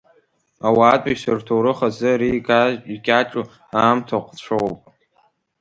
Ауаатәыҩса рҭоурых азы ари икьаҿу аамҭа ҟәҵәоуп.